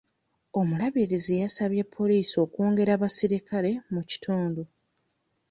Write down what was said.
Omulabirizi yasabye atwala poliisi okwongera abaserikale mu kitundu.